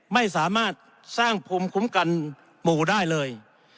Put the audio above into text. ไม่สามารถสร้างภูมิคุ้มกันหมู่ได้เลย